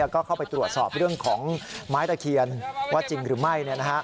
แล้วก็เข้าไปตรวจสอบเรื่องของไม้ตะเคียนว่าจริงหรือไม่